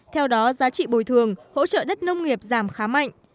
theo đó giá trị bồi thường hỗ trợ đất nông nghiệp giảm khá mạnh